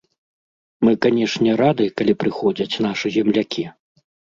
Мы, канешне, рады, калі прыходзяць нашы землякі.